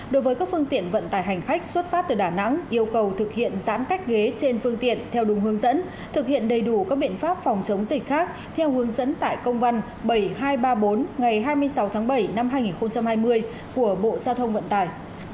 đối với các phương tiện vận tải hành khách xuất phát từ đà nẵng yêu cầu thực hiện giãn cách ghế trên phương tiện theo đúng hướng dẫn thực hiện đầy đủ các biện pháp phòng chống dịch khác theo hướng dẫn tại công văn bảy nghìn hai trăm ba mươi bốn ngày hai mươi sáu tháng bảy năm hai nghìn hai mươi của bộ giao thông vận tải